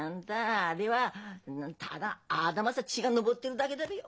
あれはただ頭さ血が上ってるだけだべよ。